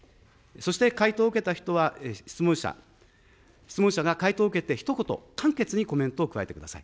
そして、回答を受けた人は、質問者、質問者が回答を受けてひと言、簡潔にコメントを加えてください。